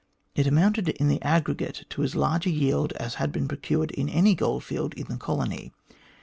It amounted in the aggregate to as large a yield as had been procured in any goldfield in the colony.